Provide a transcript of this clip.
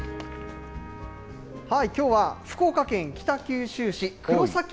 きょうは福岡県北九州市くろさき